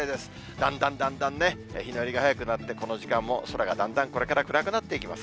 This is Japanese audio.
だんだんだんだんね、日の入りが早くなって、この時間もだんだん空も暗くなっていきます。